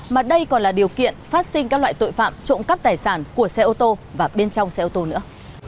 mà đây còn là điều kiện phát sinh các loại tội phạm trộm cắp tài sản của xe ô tô và bên trong xe ô tô nữa